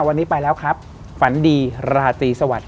วันนี้ไปแล้วครับฝันดีราตรีสวัสดิ